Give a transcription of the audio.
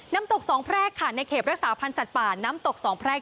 น้ำตกสองแพรกค่ะในเขตรักษาพันธ์สัตว์ป่าน้ำตกสองแพรก